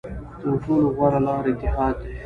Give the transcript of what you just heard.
تر ټولو غوره لاره اتحاد دی.